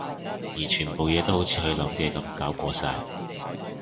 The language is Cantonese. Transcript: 而全部嘢都好似佢諗嘅噉搞禍晒